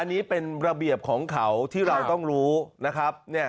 อันนี้เป็นระเบียบของเขาที่เราต้องรู้นะครับ